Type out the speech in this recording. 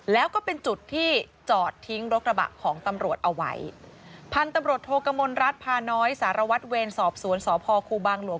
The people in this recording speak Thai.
แล้วก็เป็นจุดที่จอดทิ้งรถกระบะของตำรวจเอาไว้พันธุ์ตำรวจโทกมลรัฐพาน้อยสารวัตรเวรสอบสวนสพครูบางหลวง